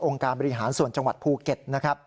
องค์การบริหารส่วนจังหวัดภูเก็ต